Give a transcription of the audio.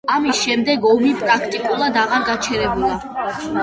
ამის შემდეგ ომი პრაქტიკულად აღარ გაჩერებულა.